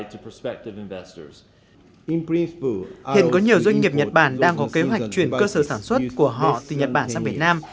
hiện có nhiều doanh nghiệp nhật bản đang có kế hoạch chuyển cơ sở sản xuất của họ từ nhật bản sang việt nam